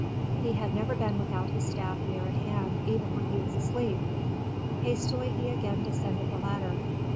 He had never been without his staff near at hand even when he was asleep. Hastily he again descended the ladder.